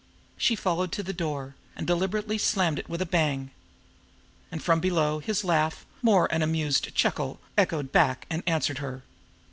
She followed to the door, and deliberately slammed it with a bang. And from below, his laugh, more an amused chuckle, echoed back and answered her.